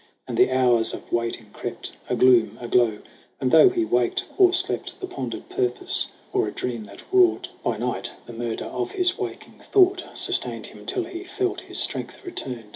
And the hours of waiting crept, A gloom, a glow ; and though he waked or slept, The pondered purpose or a dream that wrought, 36 SONG OF HUGH GLASS By night, the murder of his waking thought, Sustained him till he felt his strength returned.